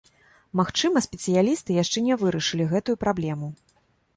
Магчыма, спецыялісты яшчэ не вырашылі гэтую праблему.